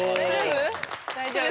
大丈夫？